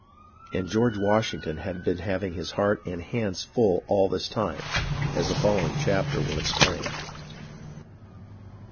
And George Wash ington had been having his heart and hands full all this time, as the following chapter will explain.